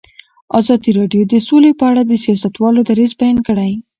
ازادي راډیو د سوله په اړه د سیاستوالو دریځ بیان کړی.